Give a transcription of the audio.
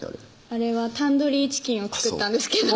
あれタンドリーチキンを作ったんですけど